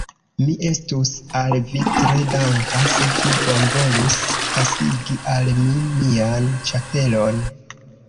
Mi estus al vi tre danka, se vi bonvolus pasigi al mi mian ĉapelon.